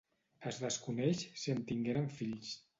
Es desconeix si en tingueren fills.